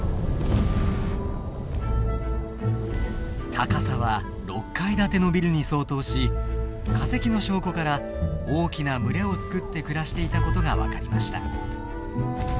高さは６階建てのビルに相当し化石の証拠から大きな群れを作って暮らしていたことが分かりました。